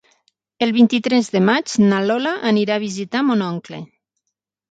El vint-i-tres de maig na Lola anirà a visitar mon oncle.